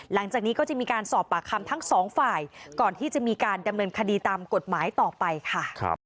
หลังจากนี้ก็จะมีการสอบปากคำทั้งสองฝ่ายก่อนที่จะมีการดำเนินคดีตามกฎหมายต่อไปค่ะ